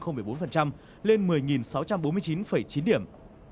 tuy nhiên chỉ số hàng sen tăng ba lên một mươi sáu trăm bốn mươi chín chín điểm